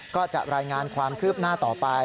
ก็จะรายงานความคืบหน้าต่อไป